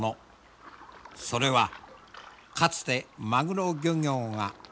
それはかつてマグロ漁業が歩んだ道であった。